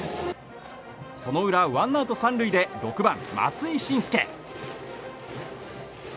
その裏ワンアウト３塁で６番、松井心助。